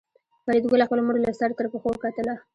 فریدګل خپله مور له سر تر پښو وکتله